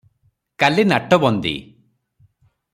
କାଲି ନାଟବନ୍ଦି ।"